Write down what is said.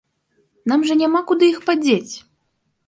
Нам жа няма куды іх падзець!